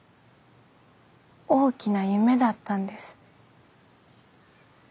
大きな夢だったんです。